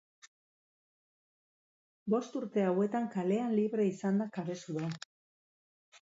Bost urte hauetan kalean libre izan da Cabezudo.